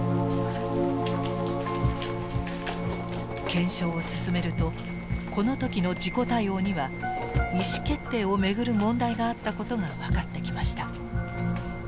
検証を進めるとこの時の事故対応には意思決定を巡る問題があったことが分かってきました。